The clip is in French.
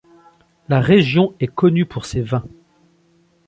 La région est connue pour ses vins.